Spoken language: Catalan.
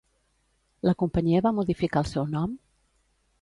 La companyia va modificar el seu nom?